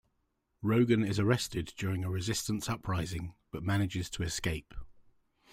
Rogan is arrested during a resistance uprising, but manages to escape.